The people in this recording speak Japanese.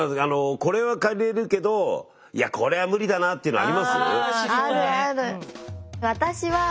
これは借りれるけどこれは無理だなっていうのあります？